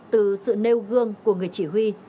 từ sự lêu gương của người chỉ huy